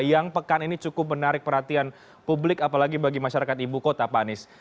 yang pekan ini cukup menarik perhatian publik apalagi bagi masyarakat ibu kota pak anies